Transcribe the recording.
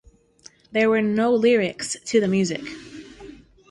There were no lyrics to the music.